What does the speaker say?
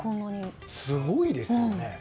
すごいですよね。